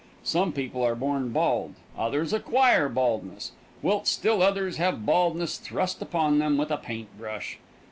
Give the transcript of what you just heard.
Some people are born bald, others acquire baldness, whilst still others have baldness thrust upon them with a paint brush.